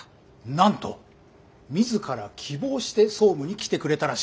なんと自ら希望して総務に来てくれたらしい。